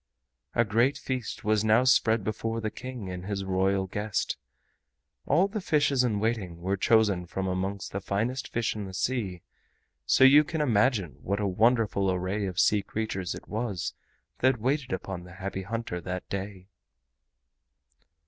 A great feast was now spread before the King and his Royal guest. All the fishes in waiting were chosen from amongst the finest fish in the sea, so you can imagine what a wonderful array of sea creatures it was that waited upon the Happy Hunter that day.